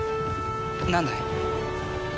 何だい？